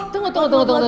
tunggu tunggu tunggu